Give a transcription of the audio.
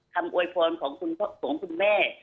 ทำโอบฟองของคุณของคุณแม่